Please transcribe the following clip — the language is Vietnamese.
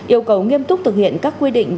yêu cầu nghiêm túc thực hiện các quy định